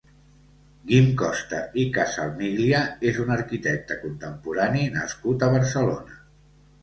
Guim Costa i Calsamiglia és un arquitecte contemporani nascut a Barcelona.